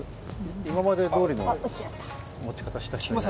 今までどおりの持ち方した人いないの？